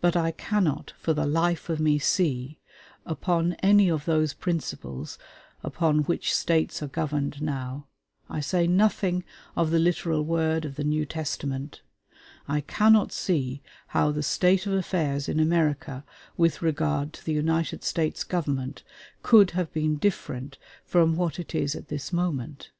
But I cannot for the life of me see, upon any of those principles upon which States are governed now, I say nothing of the literal word of the New Testament, I cannot see how the state of affairs in America, with regard to the United States government, could have been different from what it is at this moment.